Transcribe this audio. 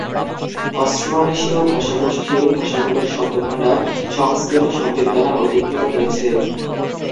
অস্ট্রোনেশীয় ভাষাগোষ্ঠীর ভাষাগুলোর শব্দভাণ্ডার সংস্কৃত শব্দের দ্বারা অধিকৃত হয়েছে।